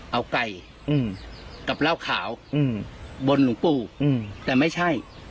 เอาไก่กับเหล้าขาวบนหลวงปู่แต่ไม่ใช่